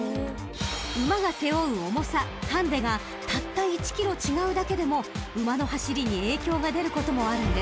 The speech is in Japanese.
［馬が背負う重さハンデがたった１ｋｇ違うだけでも馬の走りに影響が出ることもあるんです］